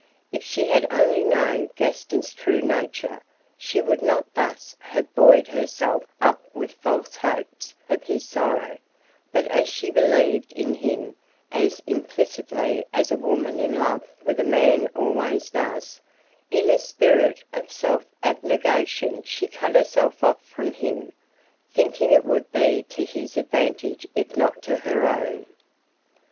If she had only known Gaston's true nature she would not thus have buoyed herself up with false hopes of his sorrow, but as she believed in him as implicitly as a woman in love with a man always does, in a spirit of self abnegation she cut herself off from him, thinking it would be to his advantage if not to her own.